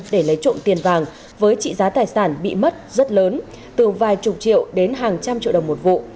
để lấy trộm tiền vàng với trị giá tài sản bị mất rất lớn từ vài chục triệu đến hàng trăm triệu đồng một vụ